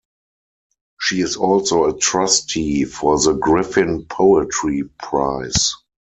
She is also a trustee for the Griffin Poetry Prize.